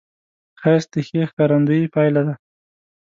ښایست د ښې ښکارندې پایله ده